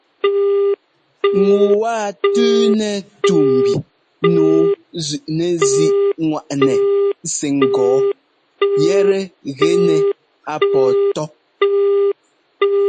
Ŋu waa tʉ́nɛ tú mbi nǔu zʉꞌnɛzíꞌŋwaꞌnɛ sɛ́ ŋ́gɔɔ yɛtɛ gɛnɛ a pɔɔ tɔ́.